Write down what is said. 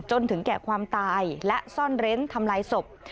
จนถึงแก่ความตายและซ่อนเร้นทำลายศพ